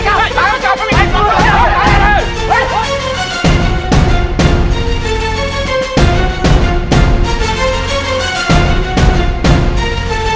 kami sudah akan mengambil keahlian